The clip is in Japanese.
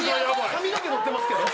髪の毛のってますけど。